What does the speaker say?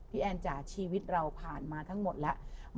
แอนจ๋าชีวิตเราผ่านมาทั้งหมดแล้ว